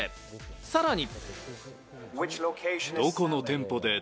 さらに。